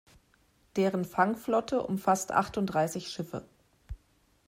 Deren Fangflotte umfasst achtunddreißig Schiffe.